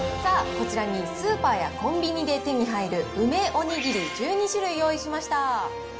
さあ、こちらにスーパーやコンビニで手に入る梅おにぎり１２種類用意しました。